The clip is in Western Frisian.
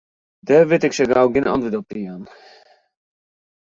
Dêr wit ik sa gau gjin antwurd op te jaan.